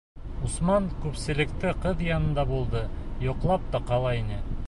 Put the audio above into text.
Усман күпселектә ҡыҙ янында булды, йоҡлап та ҡала ине.